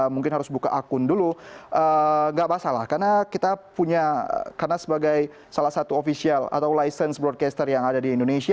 mungkin harus buka akun dulu nggak masalah karena kita punya karena sebagai salah satu ofisial atau license broadcaster yang ada di indonesia